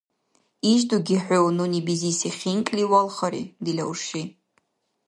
Ишдуги хӀу нуни бизиси хинкӀли валхари, дила урши.